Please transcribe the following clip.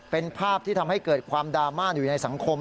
เป็นภาพที่ทำให้เกิดความดราม่าอยู่ในสังคม